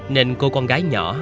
nên cô con gái nhỏ